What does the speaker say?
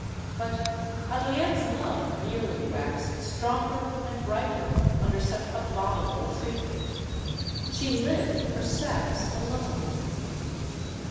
But Adrienne's love merely waxed stronger and brighter under such abominable treatment. She lived for Saxe alone.